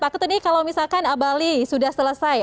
pak ketut ini kalau misalkan bali sudah selesai